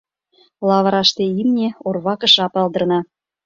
Лавыраште имне, орва кыша палдырна.